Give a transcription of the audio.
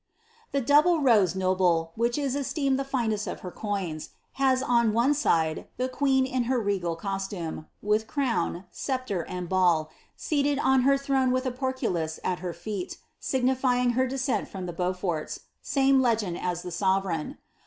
The double roee noble, which is esteemed the finest of her coiaa, on one side, the qaeen in her regal costnme^ with erown, sceptre^ ball, seated on her throne with a porteullis at her feet, signifying her descent from the Beanfoits ; same legend as the .sovereign.